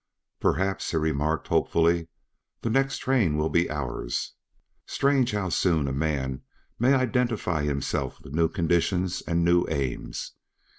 "Perhaps," he remarked hopefully, "the next train will be ours." Strange how soon a man may identify himself with new conditions and new aims.